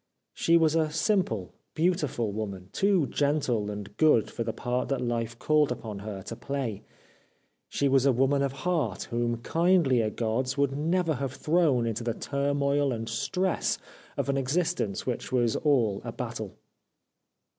She was a simple, beautiful woman, too gentle and good for the part that life called upon her to play. She was a woman of heart whom kindlier gods would never have thrown into the turmoil and stress of an existence which was all a battle.